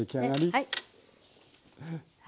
はい。